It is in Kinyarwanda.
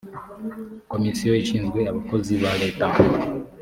komisiyo ishinzwe abakozi ba leta